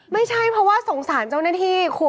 ไม่ใช่เพราะว่าสงสารเจ้าหน้าที่คุณ